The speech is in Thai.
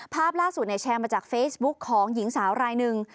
ภาพล่าสุดแชร์มาจากเฟซบุ๊กของหญิงสาวรายหนึ่ง